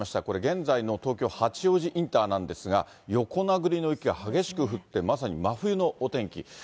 これ、現在の東京・八王子インターなんですが、横殴りの雪が激しく降って、まさに真冬のお天気。